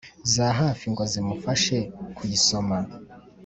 zahafi ngo zimufashe kuyisoma.